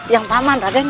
yang paman raden